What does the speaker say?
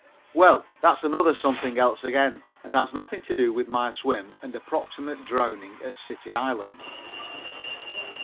Well, that's another something else again and has nothing to do with my swim and approximate drowning at City Island.